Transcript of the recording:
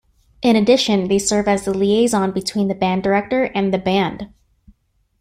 In addition, they serve as the liaison between the band director and the band.